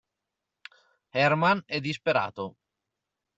Herman è disperato.